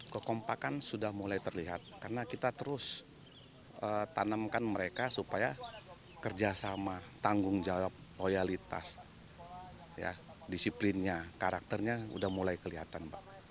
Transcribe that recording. kekompakan sudah mulai terlihat karena kita terus tanamkan mereka supaya kerjasama tanggung jawab loyalitas disiplinnya karakternya sudah mulai kelihatan